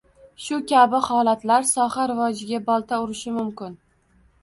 Shu kabi holatlar soha rivojiga bolta urishi mumkin.